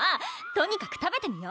とにかく食べてみよ！